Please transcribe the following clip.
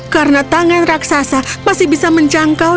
karena tangan raksasa masih bisa menjangkau